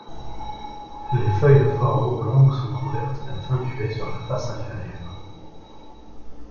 Les feuilles de forme oblongue sont couvertes d'un fin duvet sur la face inférieure.